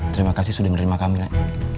terima kasih sudah menerima kami kak